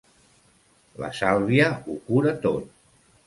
La sàlvia ho cura tot.